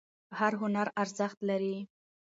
هر هنر ارزښت لري.